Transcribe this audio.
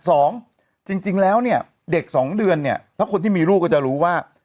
สองจริงแล้วเนี่ยเด็กสองเดือนเนี่ยถ้าคนที่มีลูกก็จะรู้ว่า